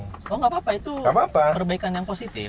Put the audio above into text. oh gapapa itu perbaikan yang positif